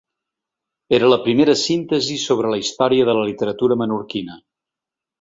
Era la primera síntesi sobre la història de la literatura menorquina.